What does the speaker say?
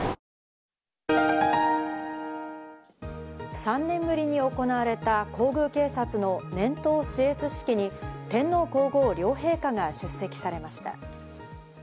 ３年ぶりに行われた皇宮警察の年頭視閲式に、天皇皇后両陛下が出席されました。